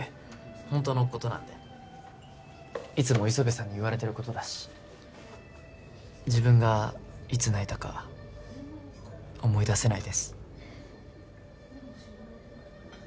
本当のことなんでいつも磯部さんに言われてることだし自分がいつ泣いたか思い出せないです